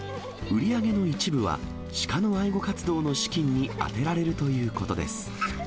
売り上げの一部は、鹿の愛護活動の資金に充てられるということです。